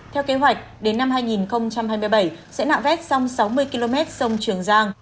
theo kế hoạch đến năm hai nghìn hai mươi bảy sẽ nạo vét xong sáu mươi km sông trường giang